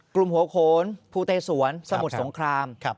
กลุ่มหัวโขนภูเตสวนสมุทรสงคราม